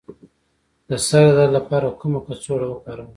د سر د درد لپاره کومه کڅوړه وکاروم؟